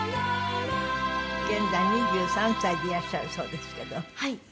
現在２３歳でいらっしゃるそうですけど。